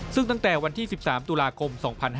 ซึ่งตั้งแต่วันที่๑๓ตุลาคม๒๕๕๙